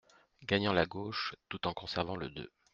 Gagnant la gauche, tout en conservant le deux.